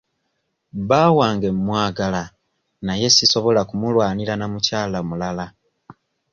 Bba wange mwagala naye sisobola kumulwanira na mukyala mulala.